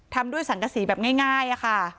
ทำด้วยสังกษีแบบง่ายค่ะ